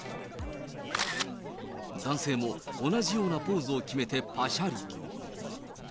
男性も、同じようなポーズを決めてパシャリ。